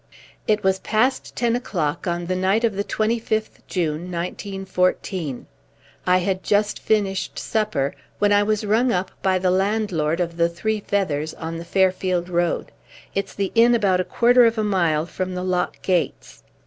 "It was past ten o'clock on the night of the 25th June, 1914. I had just finished supper when I was rung up by the landlord of The Three Feathers on the Farfield road it's the inn about a quarter of a mile from the lock gates.